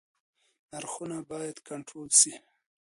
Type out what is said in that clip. نرخونه بايد کنټرول سي.